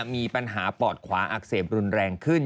มีปัญหาปอดขวาอักเสบรุนแรงขึ้น